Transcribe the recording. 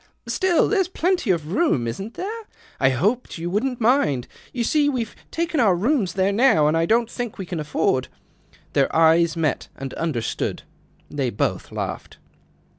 " Still, there's plenty of room, isn't there ?[ hoped you wouldn't mind. You see we've :aken our rooms there now, and I don't think we can afford " Their eyes met and understood. They both laughed.